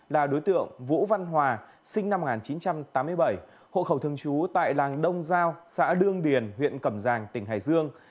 là đối tượng vũ văn hòa sinh năm một nghìn chín trăm tám mươi bảy hộ khẩu thường trú tại làng đông giao xã đương điền huyện cẩm giang tỉnh hải dương